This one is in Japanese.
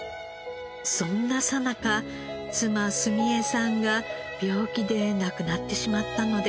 そんなさなか妻澄江さんが病気で亡くなってしまったのです。